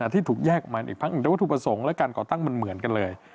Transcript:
ที่ถูกแยกออกมาอีกพักหนึ่งแต่วัตถุประสงค์และการก่อตั้งมันเหมือนกันเลย